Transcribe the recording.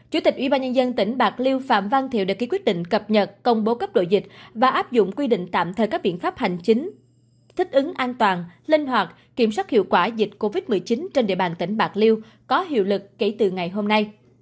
chủ tịch ubnd tỉnh bạc liêu phạm văn thiệu đã ký quyết định cập nhật công bố cấp độ dịch và áp dụng quy định tạm thời các biện pháp hành chính thích ứng an toàn linh hoạt kiểm soát hiệu quả dịch covid một mươi chín trên địa bàn tỉnh bạc liêu có hiệu lực kể từ ngày hôm nay